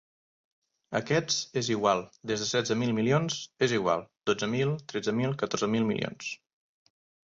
Aquests, és igual, des de setze mil milions, és igual, dotze mil, tretze mil, catorze mil milions.